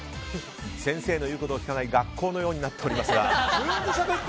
先生の言うことを聞かない学校のようになっておりますが。